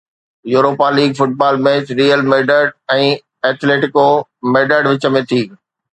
Europa League football match Real Madrid ۽ Atletico Madrid وچ ۾ ٿي